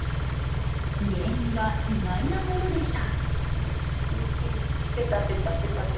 原因は意外なものでした。